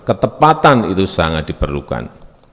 ketepatan itu sangat diperlukan